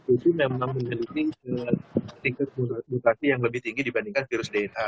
itu memang menjeluki tingkat mutasi yang lebih tinggi dibandingkan virus dna